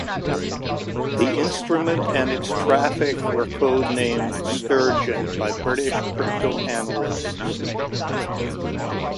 The instrument and its traffic were codenamed "Sturgeon" by British cryptanalysts.